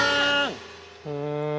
うん。